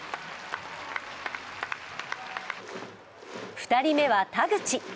２人目は田口。